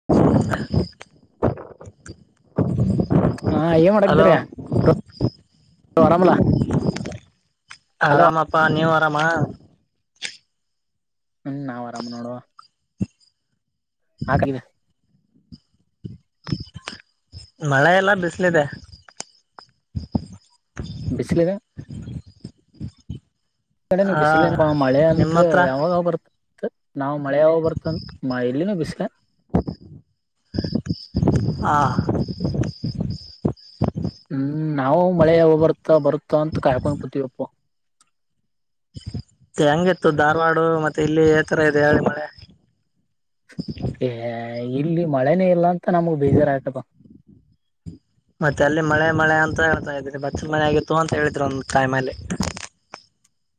[unintelligible] ಹಾ ಏನ್ ಹಲೋ ಮಾಡಗಿದ್ರ ಆರಾಮಲ. ಆರಾಮ ನೋಡಪ್ಪ ನೀವು ಆರಾಮಾ. ಹ್ಮ್ ನಾವ್ ಆರಾಮ್ ನೋಡು. ಹಾಕಅನ್ನ ಮಳೆಯಿಲ್ಲ ಬಿಸ್ಲಿದೆ ಬಿಸಿಲ ಇದ್ದೆ [inaudible] ಕಡೆ ಹ ಬಿಸಿಲ ಮಳೆ ನಿಮ್ಮ ಅತ್್ರ ಹತ್ರ ಯಾವಾಗ ಬರ್ತತ್ ನಾವ್ ಮಳೆ ಯಾವ ಬರ್ತನ್ ಇಲ್ಲಿನೂ ಬಿಸಲ ಹಾ ಹ್ಮ್ ನಾವು ಮಳೆಯಾವಗ ಬರ್ತಾ ಬರುತ್ತ ಅಂತ ಕಾಯ್ಕೊಂಡ್ ಕೂತೀವಿಪ್ಪ ಹೆಂಗಿತ್ತು ಧಾರವಾಡು ಮತ್ತೆ ಇಲ್ಲಿ ಎ ತರ ಇದೆ ಹೇಳಿ ಮಳೆ ಯಾ ಇಲ್ಲಿ ಮಳೆನೇ ಇಲ್ಲ ಅಂತ ನಮ್ಗ ಬೇಜಾರ ಐತಪ್ಪ ಮತ್ತೆ ಅಲ್ಲಿ ಮಳೆ ಮಳೆ ಅಂತ ಹೇಳ್ತಾ ಇದ್ರಿ ಬಚ್ಚಲ್ ಮಳೆ ಆಗಿತ್ತು ಅಂತ ಹೇಳಿದ್ರಿ ಒಂದ್ ಕಾಯ್ಲ್ಲಿ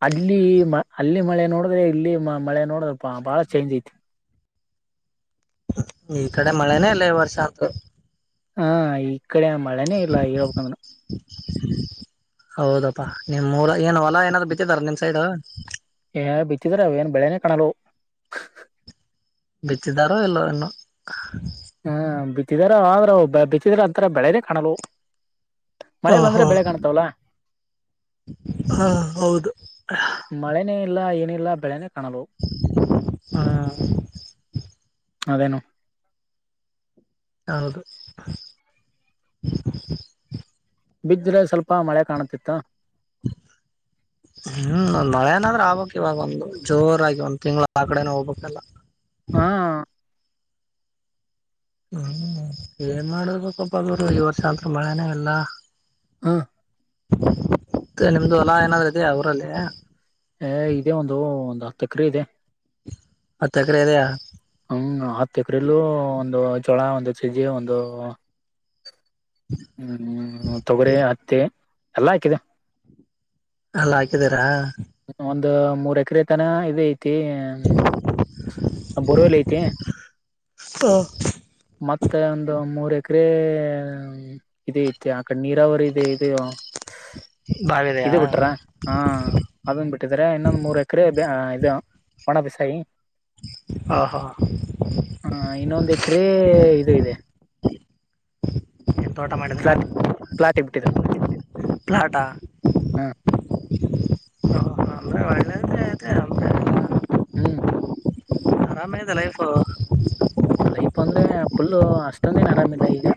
ಅಲ್ಲಿ ಮ ಅಲ್ಲಿ ಮಳೆ ನೋಡಿದ್ರೆ ಇಲ್ಲಿ ಮಳೆ ನೋಡ್ರೆ ಬ ಬಾಳ ಚೇಂಜ್ ಐತಿ ಈ ಕಡೆ ಮಳೆನೇ ಇಲ್ಲ ವರ್ಷ ಅಂತ ಹ ಈ ಕಡೆ ಮಳೆನೇ ಇಲ್ಲ ಹಳ್ಬೇಕಂದನು ಹೌದಪ್ಪಾ ನಿಮ್ ಮೂರ ಏನ್ ಹೊಲ ಏನಾದ್ರು ಬಿತ್ತಿದಾರ ನಿಮ್ ಸೈಡ್ ಏ ಬಿತ್ತಿದ್ರ ಅವ ಏನ್ ಬೆಳೆನೇ ಕಣಲು ಬಿತ್ತಿದ್ದಾರೋ ಎಲ್ಲ ಇನ್ನು ಹ್ಮ ಬಿತ್ತಿದಾರ ಅಂದ್ರ ಬಿತ್ತಿದ್ರ ಅಂತರ ಬೆಳೆನೆೇ ಕಾಣಲ್ ಹಾ ಹಾ ಹಾ ಹೌದು ಮಳೆನೇ ಇಲ್ಲ ಏನಿಲ್ಲ ಬೆಳೆನೇ ಕಾಣಲು ಹ್ಮ್ ಅದೇನು ಹೌದು. ಬಿದ್ರೆ ಸ್ವಲ್ಪ ಮಳೆ ಕಾಣತಿತ್ತ [inaudible] ಹ್ಮ್ ನೊಳೆಏನಾದ್ರ್ ಆಬಬೇಕ ಇವಾಗ ಒಂದು ಜೋರಾಗಿ ಒಂದ್ ತಿಂಗ್ಗಳ ಆ ಕಡೆನ ಹೋಗ್ಬೇಕಕ್ಲ್ಲ ಹಾ ಹ್ಮ್ ಏನ್ ಮಾಡರ್ಬೇಕಪ್ಪ ಅರು ಈ ವರ್ಷ ಆದತ್ ಮಳೆನೇ ಇಲ್ಲ ಹಾ ಮತ್ತ ನಿಮ್ದು ಹೊಲಾ ಏನಾದ್ೂ ಇದ ಅವರಲ್ಲಿ ಅ ಇದೇ ಒಂದು ಒಂದು್ ಹತ್ತು ಎಕರೆ ಇದೆ ಹತ ಎಕ್ರೆ ಅದೆಯಾ ಹಂಗ ಹತ್ತು ಎಕ್ರಲ್ಲ ಒಂದು ಚೋಳ ಒಂದು ಸಜ್ಜಿ ಒಂದು ಹ್ಮ್ ತೊಗರಿ ಹತ್ತಿ ಎಲ್ಲ ಹಾಕಿದೆ ಅಲ್ಲ ಹಾಕಿದೀರಾ. ಒಂದು ಮೂರ್ ಎಕರೆ ತನ ಇದ ಐತಿ. ಹ ಬೋರುವೆಲ್ಲ ಐತೆ. ಮತ್ತೆ ಒಂದು ಮೂರ್ ಎಕರೆ. ಇದೇ ಐತೆ ಆ ಕಡೆ ನೀರಾವರಿ ಇದೆ ಇದೆಯೋ. ಬಾವಿದೆಯಾ ಇದು ಬಿಟ್ರ ಹಾ. ಅದನ್ ಬಿಟ್ಟಿದ್ರೆ ಇನ್ನೊಂದು ಮೂರು ಎಕರೆ ಇದು ಒಣ ಬಿಸಾಯಿ. ಹಾ ಹಾ. ಹಾ ಇನ್ನೊಂದ್ ಎಕರೆ ಇದು ಇದೆ. ಏನ್ ತೋಟ ಮಾಡಿದ್ರ ಪ್ಲಾಟ್ ಪ್ಲಾಟ್ ಇಬಿಟ್ಟಿದೆ ಪ್ಲಾಟ. ಹ ಒ. ಹ್ಮ್ ಆರಾಮೈದ ಲೈಫ. ಲೈಪ್ ಅಂದ್ರೆ ಫುಲ್ ಅಷ್ಟೊಂದನ್ ಆರಾಮಿಲ್ಲ ಈಗ.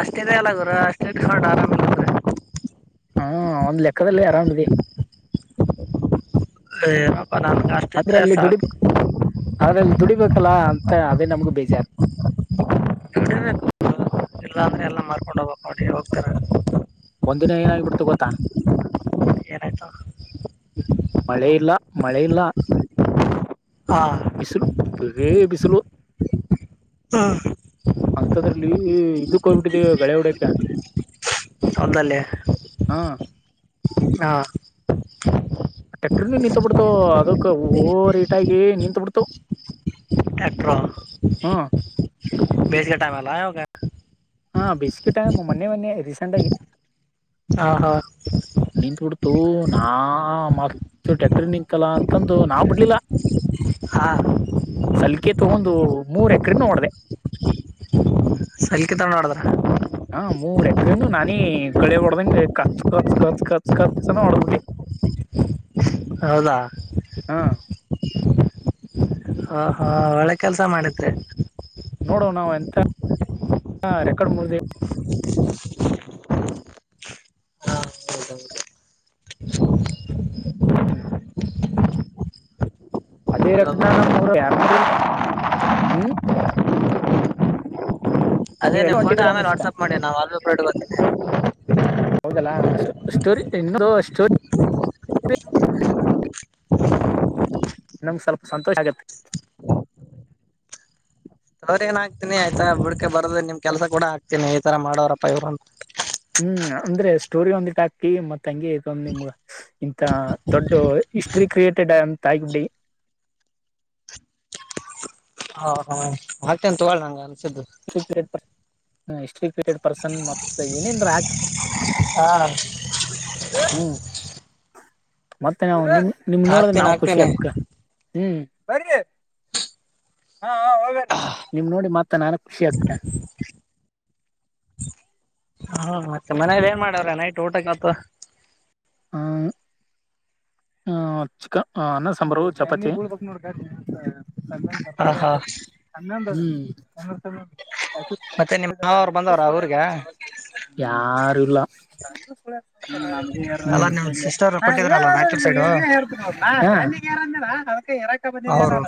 ಅಷ್ಟೇದೆ ಅಲ್ಲ ಗುರು ಅಷ್ಟೇ ಇಟಕೊಂಡ್ ಆರಾಮ ಹಾ ಒಂದ್ ಲೆಕ್ಕದಲ್ಲಿ ಅರಾಮ್ದೆ. ಅಪ್ಪರಾನ ಅಷ್ಟ ಇದ್ರೆ ದುಡಿ ಸಾಕ. ಆದ್ರ ಅಲ್ಲಿ ದುಡಿಬೇಕಲ್ಲ ಅಂತ ಅದೇ ನಮ್ಗ್ ಬೇಜಾರ್. [inaudible] ಇಲ್ಲಂದ್ರ ಹ್ಮ್ ಎಲ್ಲಾ ನೋಡಿ ಹೋಗ್ತರ. ಒಂದ್ದೀನ್ ಏನಾಗಿಬಿಡ್ತ್ ಗೊತ್ತಾ. ಏನಾಯ್ತು ಮಳೆ ಇಲ್ಲ ಮಳೆ ಇಲ್ಲ. ಆ ಸಲ್ ಬರೀ ಬಿಸಲು. ಅಂತದ್ರಲ್ಲಿ ಇದಕ್ ಹೋಗ್ಬಟ್ಟಿದೀವಿ ಗಳೆ ಹೊಡ್ಯಕ. ಸೊಂತಲ್ಲೇ. ಹಾಂ ಹಾ ಟೆಕ್ಟರ್ನೂ ನಿತ್ ಬಿಡ್ತು ಅದಕ್ ಓವರ ಹೀಟ್ ನಿಂತು ಬಿಡ್ತು. ಟ್ಯಾಕ್ಟ್ರೋ ಹ್ಮ್ ಭೇಜಿಗೆ ಟೈಮ ಅಲ್ಲ ಹಾ ಬಿಸ್ಕಿಟ್ಟ್ ಮೊನೆ ಮನ್ನಿ ರೀಸೆಂಟ್ ಆಗಿ. ಹಾ ಹಾ. ನೀನ್ಂತುಡ್ತು ನಾ ಮಾ ಟ್ಯಾಕ್ಟರ್ ನಿಂತಲ್ಲಾ ಅಂತಂದು ನಾ ಬಿಡ್ಲಿಲ್ಲ. ಹಾ ಸಲ್ಕೆ ತಾಗೊಂದು ಮೂರ್ ಎಕರೆ ನೋಡ್ದಿದೆ. ಸಲ್ಲಿಕತ ನಡಿದ್ರ. ಹಾ ಮೂರ್ ಎಕ್ರನು ನಾನಿ ಗಳೆ ಹೊಡ್ದಂಗಗೆ ಕಚ್ ಕಚ್ ಕಚ್ ಕಚ್ ಕಚನ ಹೊಡದ್ ಬಿಿಟ್ಟೆ [inaudible] ಹೌದಾ ಹಾ ಹ ಹಾ ಒಳ್ಳೆ ಕೆಲ್ಸ ಮಾಡಿದೆ. ನೋಡು ನಾವು ಎಂತ ರೆಕಾರ್ಡ್ ಮುರ್ದಿವ. ಹಾ ಹೌದೌದು ಹ್ಮ್ ಎಲ್ಲ ಅದೇರಡ್ನ ನಮ್ಮ್ರು ಯಾರ ಮೂರಿಲ್ ಹ್ಮ್. ಅದೇ ನೀವೆಲ್ಲ ನಿಮ್ಮ ಫೋಟೋ ಹೊಂಟಿದೀರ ಆಮೇಲೆ ಅನ್ಸ್ತಾ ವಾಟ್ಸಆಪ್ ಮಾಡಿ ನಾವು ವಾಲಪೆಪರ್ ಇಕೊತಿನಿ ಹೋಗಲ್ಲ ಸ್ಟೋರಿ ಇನ್ನ ಸ್ಟೋರಿ. ನನ್ಗ ಸ್ವಲ್ಪ ಸಂತೋಷ ಆಗತ್ತೆ. ತೋರಿನ ಆಗ್ತೀನಿ ಆಯತಾ ಬುಡ್ಕ ಬೋದು ನಿಮ್ ಕೆಲಸ ಕೂಡ ಹಾತನಿ ಈ ತರ ಮಾಡೋರಪ್ಪ ಇವರು. ಹ್ಮ್ ಅಂದ್ರೆ ಸ್ಟೋರಿ ಒಂದಿಟ್ಟ ಹಾಕಿ ಮತ್ತ ತಂಗಿ ಇದ ಒಂದು್ ನಿಮ್ಗ ಇಂತ ದೊಡ್ಡ ಹಿಸ್ಟ್ರಿ ಕ್ರಿಯೇಟೆಡ್ ಅಂತ ಹಾಕಬಿಡಿ ಹ ಹ ಹಾಕ್ತಿನ್ ತೋ ಅಣ್ಣ ನಂಗ ಅನ್ಸಿದ್ದು ಹಿಷ್ಟ್ರಿ ಕ್ರಿಯಟೆಡ್ ಪರ್ಸನ್ ಏನೇನ್ ಹಾಕಿ ಹಾ ಹ್ಮ್ ಮತ್ತೆ ನಾವು ನಿಮ ನಿಮ್ ನೋಡ ಹಾಕ್ತೇನೆ ನಾವ್ ಖುಷಿ ಹಾಕ್ತೇನೆ ಅಕ್ಕ ಹ್ಮ್ ಬರಿ ಹಾ ಹೋಗರ್ ನಿಮ್ ನೋಡಿ ಮತ್ತ ನಾನ ಖುಷಿ ಆಗ್ತಿನೆ. ಹಾಂ ಮತ್ತೆ ಮನೇೆಯಲ್ಲಿ ಏನ್ ಮಾಡ್ಯ್ರ ನೈಟ್ ಊಟಕ್ಕಾತ್ತ. ಹಾಂ ಹ್ಮಾ ಚಿಕನ್ ಅನ್ನ ಸಾಂಬಾರು ಚಪಾತಿ. ಹಾ ಹಾ [unintelligible] ಹ್ಮ್ ಮತ್ತೆ ನಿಮ್ಮ ಮಾವರು ಬಂದಾವ್ರ ಊರಿಗೆ. ಯಾರು ಇಲ್ಲ. ಅಲ್ಲ ನಿಮ್ ಸಿಸ್ಟರ್ ಕೊಟ್ಟಿದ್ರಲ್ಲ [unintelligible] ರಾಯಚೂರ್ ಸೈಡು ಈಗ ಹೇರ್ತಿರಿ ಅವುನಾ ಹ್ಮ್ ಮಣ್ಣಿಗೆ ಹೇರಂದ್ಯಲಾ ಅದಾ. ಬಂದಿದೆ ಅವರು ನಾನ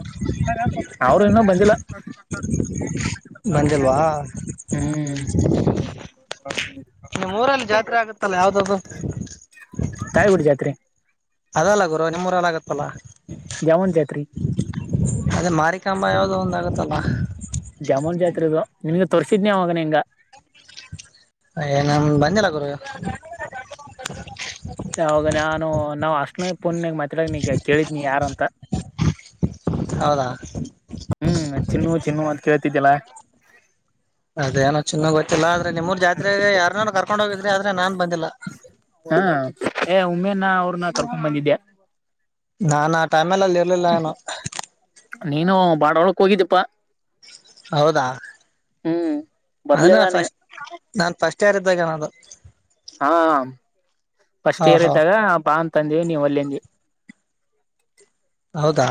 [unintelligible] ಅವರಿನ್ನಾ ಬಂದಿಲ್ಲಾ. ಬಂದಿಲ್ವಾ. ಹ್ಮ್ [unintelligible] ನಿಮ್ಮೂರಲ್ಲಿ ಜಾತ್ರೆ ಆಗತ್ತಲ್ಲ ಯಾವ್ದದ್ದು. ತಾಯಿಗುಡಿ ಜಾತ್ರೆ ಅದಲ್ಲ ಗುರು ನಿಮ್ಮೂರಲ್ಲಾಗತ್ತಲ್ಲಾ. ದ್ಯಾಮವ್ವಂದ್ ಜಾತ್ರಿ. ಅದೆ ಮಾರಿಕಾಂಬ ಯಾವುದೋ ಒಂದ ಆಗತ್ತಲ್ಲ. ದ್ಯಾಮವನ್ ಜಾತ್ರೆದು ನಿಮ್ಗ ತೊರ್ರಿಸಿದ್ನಿ ಅವಾಗ ನಿಂಗ. ಏ ನನ್ ಬಂದಿಲ್ಲ ಗುರು. ಅವಾಗ ನಾನು ನಾವು ಹಾಷ್ಟೆಲ್ನ ಪುನ್ಯಾಗ್ ಮಾತಡಾಗ ಕೇಳಿದ್ನಿ ಯಾರ ಅಂತ. ಹೌದಾ. ಹ್ಮ್ ಚಿನ್ನು ಚಿನ್ನು ಅಂತ್ ಕೇಳ್ತಿದ್ದಿಲ್ಲಾ. ಅದೇನೋ ಚಿನ್ನು ಗೊತ್ತಿಲ್ಲ ಆದ್ರೆ ನಿಮ್ಮರ್ ಜಾತ್ರೆಗೆ ಯಾರ್ನಾರ್ ಕರ್ಕೊಂಡ್ ಹೋಗಿದ್ರಿ ಆದ್ರೆ ನಾನ್ ಬಂದಿಲ್ಲ. ಹಾ ಏ ಉಮ್ಮೇನ್ನ ಅವ್ರನ ಕರ್ಕೊಂಡ್ ಬಂದಿದ್ಯಾ. ನಾನು ಆ ಟೈಮೈಲ್ ಅಲ್ಲಿ ಇರ್ಲಿಲ್ಲ ಎನು. ನೀನು ಬಾಡ ಹೊಳಕ್ ಹೋಗಿದ್ದಿಪ್ಪಾ. ಹೌದಾ ಹ್ಮ್ ಅದನ ಬರ್ಲಿಲ್ಲ ನೀ ಫಸ್ಟ್. ನಾನ್ ಫಸ್ಟ್ ಇಯರ್ ಇದ್ದಾಗೆನದು. ಹಾ ಹಾ ಫಸ್ಟ್ ಇಯರ್ ಹಾ ಇದ್ದಾಗ ಬಾ ಅಂತಂದಿವಿ ನೀ ವಲ್ಯಂದಿ. ಹೌದಾ.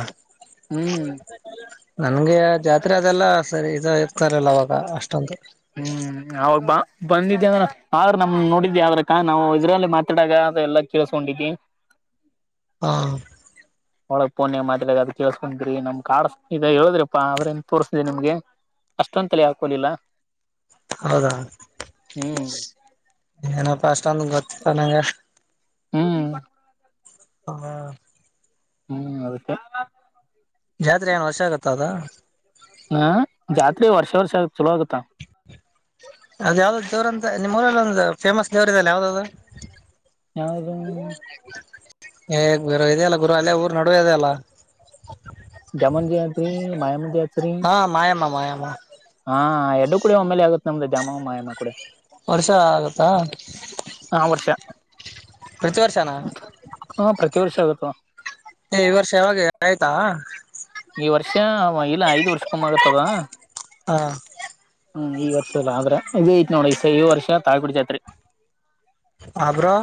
ಹ್ಮ್ ನನ್ಗೆ ಜಾತ್ರೆ ಅದೆಲ್ಲ ಸರಿ ಇ ಇರ್ತಾಇರ್ಲಿಲಾ ಅವಾಗ ಅಷ್ಟೊಂದ. ಹ್ಮ್ ಅವಾಗ ಬಾ ಬಂದಿದಿ ಅಂದ್ರ ಆದ್ರ ನಮ್ ನೋಡಿದಿ ಆದ್ರಕ್ಕ ನಾವು ಇದ್ರಲ್ಲಿ ಮಾತಾಡಾಗ ಅದ ಎಲ್ಲಾ ಕೇಳಸ್ಕೊಂಡಿದ್ದಿ. ಹಾಂ ಒಳಗ್ ಪೊನ್ಯಾಗ ಮಾತಾಡದ್ ಅದ ಕೇಳ್ಸ್ಕೊಂದ್ರಿ ನಮ್ ಕಾಡಸ್ ಹೇಳದ್ರಿಪಾ ಅವ್ರೇನ್ ತೋರ್ಸಲಿ ನಿಮ್ಗೆ. ಅಷ್ಟೊಂದ್ ತಲೆಗ್ ಹಾಕೋಲಿಲ್ಲ. ಹೌದಾ ಹ್ಮ್ ಏನಪ್ಪಾ ಅಷ್ಟೊಂದು ಗೊತ್ತಿಲ್ಲಾನಂಗ. ಹ್ಮ್ ಹಾಂ ಹ್ಮ್ ಅದಕ್ಕ. ಜಾತ್ರಿ ಏನ್ ವರ್ಷಾ ಆಗತ್ತಾ ಅದ. ಹಾಂ ಜಾತ್ರೆ ವರ್ಷ ವರ್ಷ ಆಗತ್ ಚೊಲೋ ಆಗತ್ತಾ. ಅದ ಯಾವ್ದ್ ದೇವ್ರಂತ ನಿಮ್ ಊರಲ್ಲಿ ಒಂದ್ ಫೇಮಸ್ ದೇವ್ರ ಇದಲ್ಲ ಯಾವ್ದದು. ಯಾವ್ದ. ಏ ಗುರು ಇದೆಯಲ್ಲ ಗುರು ಅಲ್ಲೆ ಊರ್ ನಡುವೆ ಇದೆ ಅಲ್ಲ. ಜಮ್ಮ ಜ ಅಂತರಿ [unintelligible] [unintelligible] ಹಾ ಎರಡು ಕೂಡ ಒಮ್ಮೇಲೆ ಆಗುತ್ತೆ ನಮ್ದು ಜಾಮಯಮ್ಮ ಕೂಡೆ ವರ್ಷ ಆಗತ್ತಾ ಹಾ ವರ್ಷ ಪ್ರತಿ ವರ್ಷನಾ ಹಾ ಪ್ರತಿ ವರ್ಷ ಆಗುತ್ತಾ ಈ ವರ್ಷ ಯಾವಾಗ ಆಯ್ತಾ ಈ ವರ್ಷ ಇಲ್ಲ ಐದ್ ವರ್ಷಕೊಮ್ಮ ಆಗತ್ತದ ಹಾ ಹ್ಮ ಈ ವರ್ಷ ಇಲ್ಲ ಆದ್ರ ಇದ ಐತ್ ನೋಡಿ ಈ ವರ್ಷ ತಾಳಿಕೋಟಿ ಜಾತ್ರಿ ಆದ್ರಾ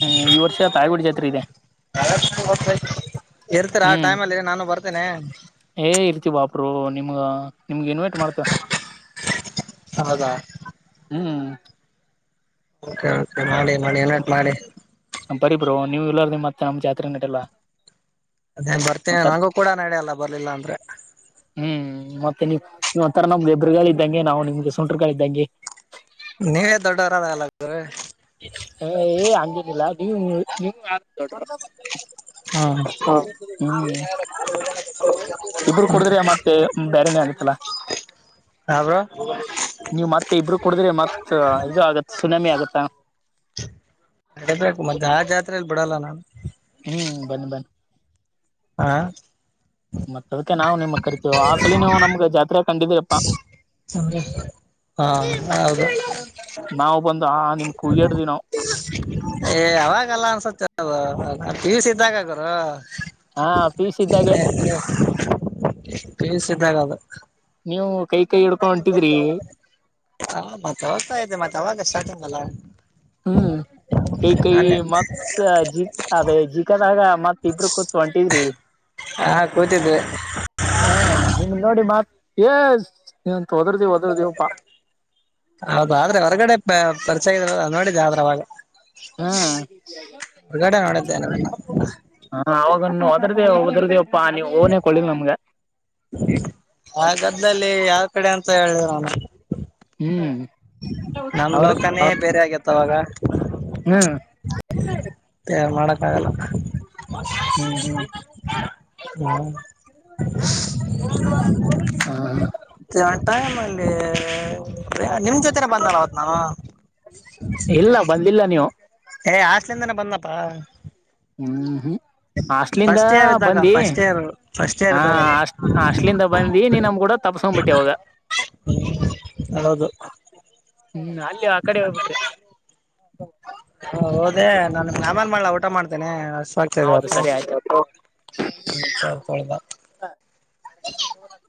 ಹ್ಮ್ ಈ ವರ್ಷ ತಾಳಿಕೋಟಿ ಜಾತ್ರೆ ಇದೆ ಇರ್ತೀರಾ ಆ ಹ್ಮ್ ಟೈಮಲ್ಲಿ ನಾನು ಬರ್ತಿನಿ ಏ ಇರ್ತಿ ಬಾ ಬ್ರೋ ನಿಮ್ಗ ನಿಮ್ಗೆ ಇನ್ವೈಟ್ ಮಾಡ್ತವ ಹೌದಾ ಹ್ಮ್ ಒಕೆ ಒಕೆ ಮಾಡಿ ಮಾಡಿ ಇನ್ವಾಯ್ಟ್ ಮಾಡಿ ಬರ್ರಿ ಬ್ರೋ ನೀವು ಇಲ್ಲಾರ್ದಿ ಮತ್ತ ನಮ್ ಜಾತ್ರೆ ನಡೆಲ್ಲ ಅದೇನ್ ಬರ್ತೇನ ನಂಗೂ ಕೂಡ ನಡೆಯ ಅಲ್ಲ ಬರ್ಲಿಲ್ಲ ಅಂದ್ರೆ ಹ್ಮ್ ಮತ್ತೆ ನೀವ್ ನೀವ್ ಒಂಥರ ನಮಗೆ ಎದುರ್ಗಾಳಿ ಇದ್ದಂಗೆ ನಾವು ನಿಮ್ಗೆ ಸುಂಟ್ರ ಗಾಳಿದ್ದಂಗೆ. ನೀವೇ ದೊಡ್ಡವರದಲ್ಲ [inaudible] ಹ್ಮ್ ಹ ಹ್ಮ್ ಇಬ್ಬರು ಕುಡಿದ್ರ ಮತ್ತ ಬೇರೆನೇ ಆಗತ್ತಲ್ಲಾ [unintelligible] ನೀವ್ ಮತ್ತೆ ಇಬ್ಬರು ಕುಡಿದ್ರೆ ಮತ್ ಇದು ಆಗತ್ತ ಸುನಾಮಿ ಆಗತ್ತಾ ನಡಿಬೇಕ ಮತ್ತ ಆ ಜಾತ್ರಲಿ ಬಿಡಲ್ಲ ನಾನು ಹ್ಮ್ ಬನ್ನಿ ಬನ್ನಿ ಹಾ ಮತ್ತ ಅದ್ಕ ನಾವು ನಿಮ ಕರಿತೀವ ಆ ಸಲಿ ನೀವು ನಮ್ಗ ಜಾತ್ರ್ಯಾಗ ಕಂಡಿದ್ರಿಪ್ಪಾ [inaudible] ನಾವು ಬಂದು ಆ ನಿಮ್ ಕುಯ್ಯಾಡ್ದಿ ನಾವು ಏ ಅವಾಗಲ್ಲ ಅನ್ಸುತ್ತೆ ಅದು ಪಿಯಸಿ ಇದ್ದಾಗ ಗುರು ಹಾ ಪೀಯುಸ್ ಇದ್ದಾಗೆ ಪಿಯುಸ್ ಇದ್ದಾಗ ಅದು ನೀವು ಕೈ ಕೈ ಇಡ್ಕೊಂಡ್ ಹೊಂಟಿದ್ರಿ ಹಾ ಮತ್ತೆ ಅವಾತ್ತಾ ಆಯ್ತಾ ಮತ್ತೆ ಅವಾಗ ಸ್ಟಾಟಿಂಗ ಅಲ್ಲಾ ಹ್ಮ್ ಕೈ ಕೈ ಮತ್ ಜಿ ಅದೇ ಜಿಕಾದಾಗ ಮತ್ ಇಬ್ರು ಕೂತ್ ಹೊಂಟಿದ್ರಿ ಹಾ ಕೂತಿದ್ದೆ ಹ ನಿಮ ನೋಡಿ ಮತ್ ಏ ನಿಂತ ಓದರ್ದಿವ ಓದರ್ದಿವಪಾ ಹೌದಾದ್ರೆ ಹೊರಗಡೆ ಪರಿಚಯ ನೋಡಿದ ಆದ್ರೆ ಅವಾಗ ಹ್ಮಂ ಹೊರಗಡೆ ನೋಡಿದ್ದೆ ನಿಮ್ಮನ್ನ ಹ ಅವಾಗನು ಒದದ್ರೆ ಬದದ್ರೆವಪ್ಪಾ ನೀವ್ ಓನೆ ಕೊಡ್ಲಿಲ್ ನಮ್ಗ ಆ ಗದ್ಲಲ್ಲಿ ಯಾವ ಕಡೆ ಅಂತ ಹೇಳಿ ನಾನು ಹ್ಮ್ ನನ್ ಅವ್ರ ಲೋಕನೇ ಬೇರೆ ಆಗತ್ತ ಅವಾಗ ಹ್ಮ್ ತಯಾರ್ ಮಾಡಕಾಗಲ್ಲ. ಹ್ಮ್ ಹ್ಮ್ [unintelligible] ಹ್ಮ. [unintelligible] ಹಾಂ ಯಾಟೈಮ್ ಅಲ್ಲಿ ನಿಮ್ ಜೊತೆನೆ ಬಂದ್ನಲ್ಲ ಅವತ್ ನಾನು. ಇಲ್ಲ ಬಂದಿಲ್ಲ ನೀವು. ಏ ಹಾಸ್ಟ್ಲಿಂದನೆ ಬಂದ್ನಪ್ಪಾ. ಹಂ ಹ್ಮ್ ಹಾಸ್ಟ್ಲಿಂದ ಫಸ್ಟ್ ಇಯರ್ ಇದ್ದಾಗ ಬಂದಿ ಹಂ ಫಸ್ಟ್ ಇಯರ್ ಫಸ್ಟ್ ಇಯರ್ ಹಾ ಇದ್ದಾಗ ಅದು ಹಾಸ್ಟ್ಲಿಂದ ಬಂದಿ ನೀನ್ ನಮ್ ಗೂಡ ತಪ್ಸ್ಕೊಂಡ್ಬಿಟ್ಟಿ ಅವಾಗ. [unintelligible] ಹೌದು. ಹ್ಮ್ ಅಲ್ಲಿ ಆ ಕಡೆ ಹೋಗ್ಬಿಟ್ರಿ. ಹೊ ಹೋದೆ ನಾನು ನಿಮಗ್ ಆಮೇಲೆ ಮಾಡ್ಲ ಊಟ ಮಾಡ್ತೇನೆ ಹಸುವಾಗ್ತಿದೆ ಹೌದು ಇವತ್ತು. ಸರಿ ಆಯ್ತು [unintelligible] [unintelligible]